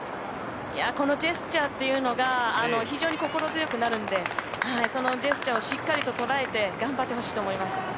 このジェスチャーっていうのが非常に心強くなるんでそのジェスチャーをしっかりと捉えて頑張ってほしいと思います。